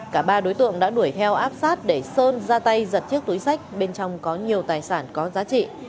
cả ba đối tượng đã đuổi theo áp sát để sơn ra tay giật chiếc túi sách bên trong có nhiều tài sản có giá trị